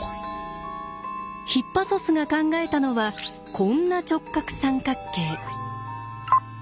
ヒッパソスが考えたのはこんな直角三角形。